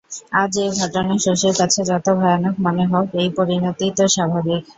আজ এ ঘটনা শশীর কাছে যত ভয়ানক মনে হোক এই পরিণতিই তো স্বাভাবিক।